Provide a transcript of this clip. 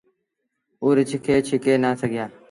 او رڇ کي ڇڪي نآ سگھيآ۔